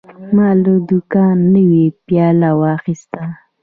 ما له دوکانه نوی پیاله واخیسته.